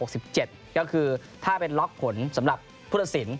ก็คือถ้าเป็นล็อคผลสำหรับผู้ทศิลป์